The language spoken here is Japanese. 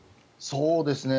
そうですね。